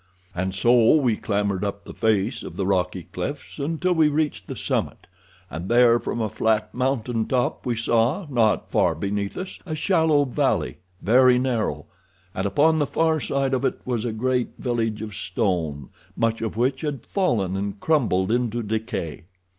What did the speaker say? "And so we clambered up the face of the rocky cliffs until we reached the summit, and there from a flat mountain top we saw, not far beneath us, a shallow valley, very narrow; and upon the far side of it was a great village of stone, much of which had fallen and crumbled into decay."